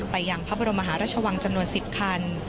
ยังพระบรมหาราชวังจำนวน๑๐คัน